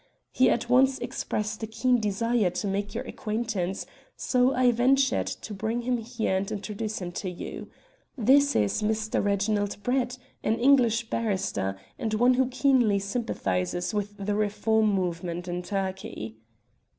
He at once expressed a keen desire to make your acquaintance, so I ventured to bring him here and introduce him to you. This is Mr. Reginald Brett, an English barrister, and one who keenly sympathizes with the reform movement in Turkey."